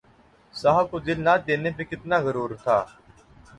صاحب کو دل نہ دینے پہ کتنا غرور تھا